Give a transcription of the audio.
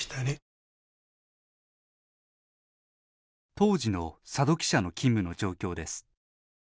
当時の佐戸記者の勤務の状況です。